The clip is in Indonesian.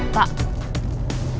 aku mau ke rumah